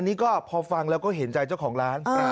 นี่ก็พอฟังแล้วก็เห็นใจเจ้าของร้าน